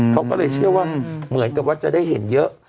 เขาก็เลยเชื่อว่าเหมือนกับว่าจะได้เห็นเยอะ